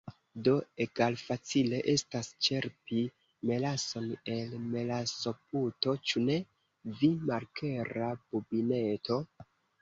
Do egalfacile estas ĉerpi melason el melasoputo, ĉu ne? vi malklera bubineto?